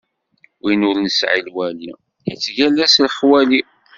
Win ur nesɛi lwali, ittgalla s xwali.